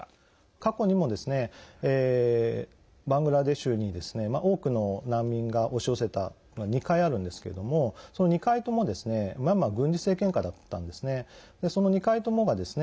過去にも、バングラデシュに多くの難民が押し寄せたのが２回あるんですけどもその２回ともミャンマーは軍事政権下だったんですね。